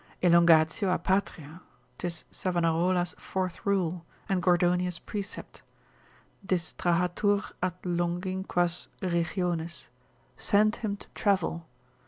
Elongatio a patria, 'tis Savanarola's fourth rule, and Gordonius' precept, distrahatur ad longinquas regiones, send him to travel.